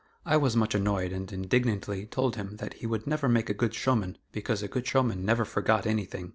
I was much annoyed and indignantly told him that he "would never make a good showman, because a good showman never forgot anything."